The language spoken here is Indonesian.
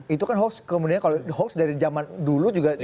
itu kan hoax kemudian kalau hoax dari zaman dulu juga